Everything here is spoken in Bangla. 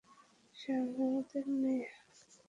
সে আমাদের মেয়ে।